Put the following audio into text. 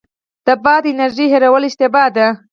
د باد انرژۍ هیرول اشتباه ده.